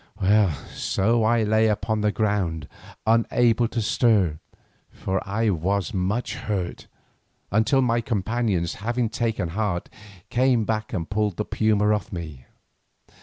So I lay upon the ground unable to stir, for I was much hurt, until my companions, having taken heart, came back and pulled the puma off me.